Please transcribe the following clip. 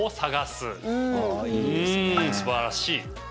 すばらしい。